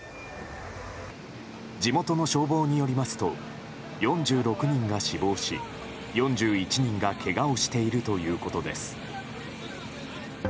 地元の消防によりますと４６人が死亡し４１人がけがをしているということです。